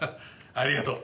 ありがとう。